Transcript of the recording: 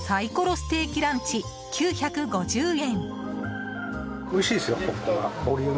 ステーキランチ９５０円。